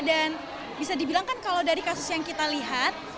dan bisa dibilangkan kalau dari kasus yang kita lihat